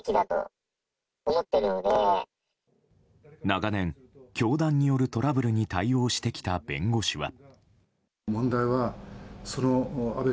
長年、教団によるトラブルに対応してきた弁護士は。